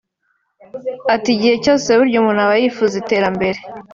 Ati “Igihe cyose burya umuntu aba yifuza iterambere